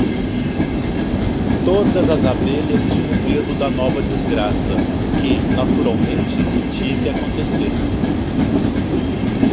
Todas as abelhas tinham medo da nova desgraça que, naturalmente, tinha que acontecer.